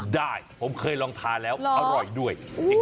ได้ผมเคยลองทานแล้วอร่อยด้วย